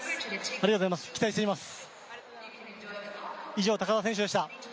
ありがとうございます、期待しています。